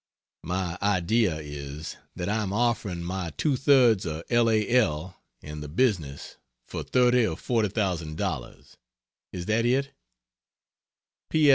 My idea is, that I am offering my 2/3 of L. A. L. and the business for thirty or forty thousand dollars. Is that it?